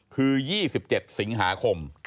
คือ๒๗สิงหาคม